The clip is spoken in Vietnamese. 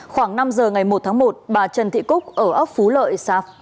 khoảng năm giờ ngày một tháng một bà trần thị cúc ở ấp phú lợi